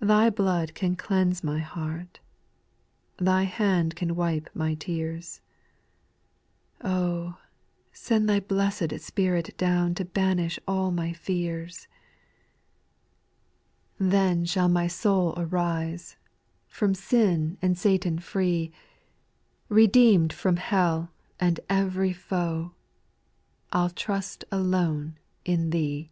5. Thy blood can cleanse my heart, Thy hand can wipe my tears ; Oh ! send Thy blessed Spirit down To banish all my fears. 6. Then shall my soul arise, d From sin and Satan fitt \^ 166 SPIRITUAL SONGS. Redeemed from hell and every foe, I *11 trust alone in Thee.